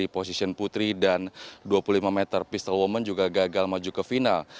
position putri dan dua puluh lima meter pistol woman juga gagal maju ke final